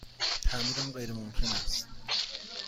تعمیر آن غیرممکن است.